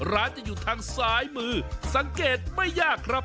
ร้านจะอยู่ทางซ้ายมือสังเกตไม่ยากครับ